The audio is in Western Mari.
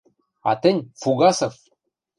— А тӹнь, Фугасов!..